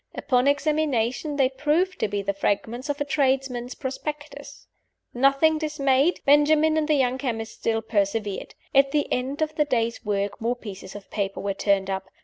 Upon examination, they proved to be the fragments of a tradesman's prospectus. Nothing dismayed, Benjamin and the young chemist still persevered. At the end of the day's work more pieces of paper were turned up.